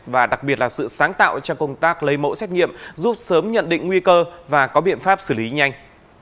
và đặc biệt là sự sáng tạo trong công tác lấy mẫu xét nghiệm giúp sớm nhận định nguy cơ và có biện pháp xử lý nhanh